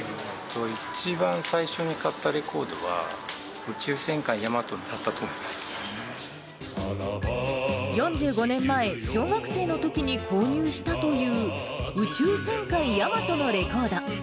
一番最初に買ったレコードは、４５年前、小学生のときに購入したという、宇宙戦艦ヤマトのレコード。